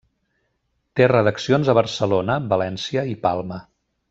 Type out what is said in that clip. Té redaccions a Barcelona, València i Palma.